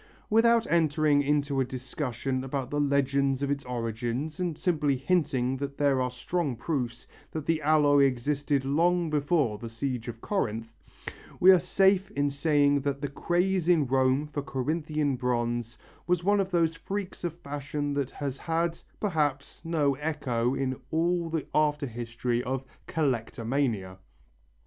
Without entering into a discussion about the legend of its origin, and simply hinting that there are strong proofs that the alloy existed long before the siege of Corinth, we are safe in saying that the craze in Rome for Corinthian bronze was one of those freaks of fashion that has had, perhaps, no echo in all the after history of "collectomania."